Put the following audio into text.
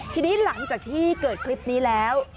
ทีนี้หลังจากที่เกิดคลิปนี้แล้ว